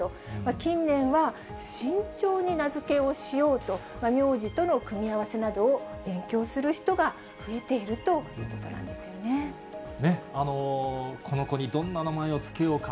近年は、慎重に名付けをしようと、名字との組み合わせなどを勉強する人が増えているということなんこの子にどんな名前を付けようか。